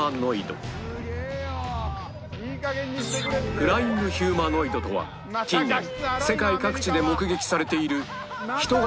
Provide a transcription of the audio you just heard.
フライングヒューマノイドとは近年世界各地で目撃されている人型